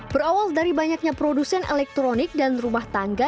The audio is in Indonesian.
berawal dari banyaknya produsen elektronik dan rumah tangga